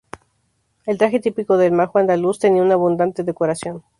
El traje típico del majo andaluz tenía una abundante decoración.